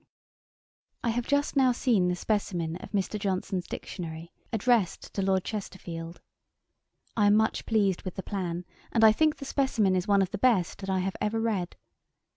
'I have just now seen the specimen of Mr. Johnson's Dictionary, addressed to Lord Chesterfield. I am much pleased with the plan, and I think the specimen is one of the best that I have ever read.